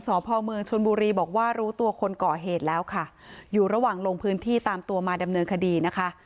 สพเมืองชนบุรีบอกว่ารู้ตัวคนก่อเหตุแล้วค่ะอยู่ระหว่างลงพื้นที่ตามตัวมาดำเนินคดีนะคะ